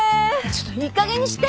ちょっといい加減にして！